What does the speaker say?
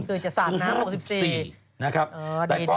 คือจะสาดน้ำ๖๔